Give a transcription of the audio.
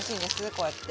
こうやって。